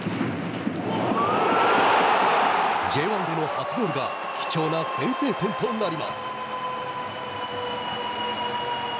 Ｊ１での初ゴールが貴重な先制点となります。